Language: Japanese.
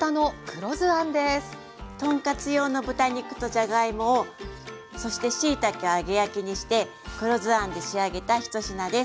豚カツ用の豚肉とじゃがいもをそしてしいたけを揚げ焼きにして黒酢あんで仕上げた一品です。